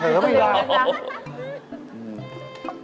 เผ็ดแล้วไม่รอ